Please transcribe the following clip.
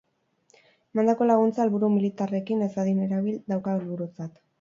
Emandako laguntza helburu militarrekin ez dadin erabil dauka helburutzat.